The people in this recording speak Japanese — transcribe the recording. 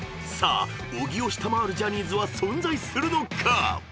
［さあ小木を下回るジャニーズは存在するのか］